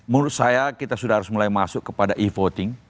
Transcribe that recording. menurut saya kita sudah harus mulai masuk kepada e voting